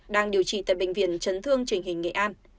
đang điều trị tại bệnh viện chấn thương trình hình nghệ an